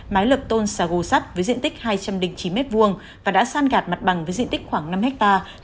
mái lập tôn xà gồ sắt với diện tích hai trăm linh chín m hai và đã san gạt mặt bằng với diện tích khoảng năm hectare